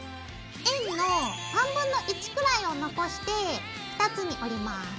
円の1/3くらいを残して２つに折ります。